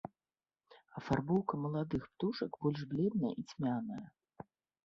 Афарбоўка маладых птушак больш бледная і цьмяная.